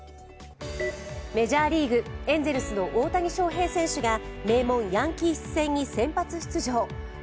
メジャーリーグ、エンゼルスの大谷翔平選手が名門ヤンキース戦に先発出場。